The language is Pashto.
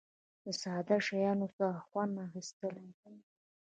د ساده شیانو څخه خوند اخیستل.